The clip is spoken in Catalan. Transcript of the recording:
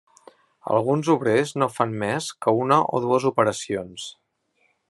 Alguns obrers no fan més que una o dues operacions.